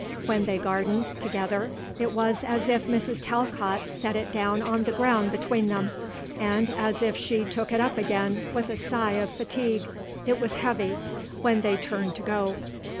When they gardened together it was as if Mrs. Talcott set it down on the ground between them and as if she took it up again with a sigh of fatigue it was heavy when they turned to go.